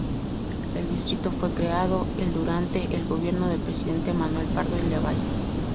El distrito fue creado el durante el gobierno de Presidente Manuel Pardo y Lavalle.